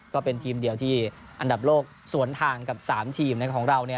ก็เป็นทีมเดียวที่อันดับโลกสวนทางกับ๓ทีมของเรา